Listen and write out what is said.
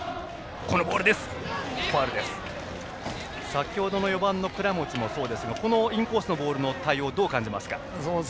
先程の４番の倉持もそうですがこのインコースのボールの対応どう感じますか？